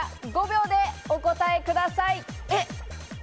５秒でお答えください。